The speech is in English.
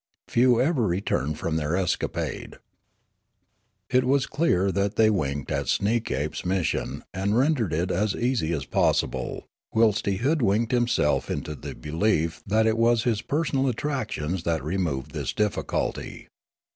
Few ever returned from their escapade. It was clear that thej^ winked at Sneekape's mission, and rendered it as easy as possible, whilst he hood winked himself into the belief that it was his personal attractions that removed its difficulty.